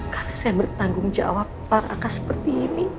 karena saya bertanggung jawab para akak seperti ini